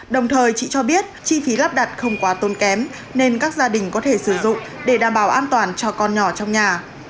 đồng thời chị cho biết chi phí lắp đặt không quá tôn kém nên các gia đình có thể sử dụng để đảm bảo an toàn cho con nhỏ trong nhà